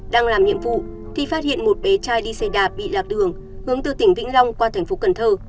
đang làm nhiệm vụ thì phát hiện một bé trai đi xe đạp bị lạc đường hướng từ tỉnh vĩnh long qua thành phố cần thơ